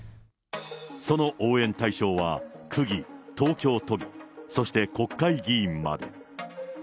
その応援対象は、区議、東京都議、そして国会議員まで。